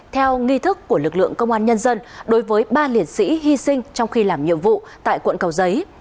theo nghi thức của lực lượng công an nhân dân đối với ba liệt sĩ hy sinh trong khi làm nhiệm vụ tại quận cầu giấy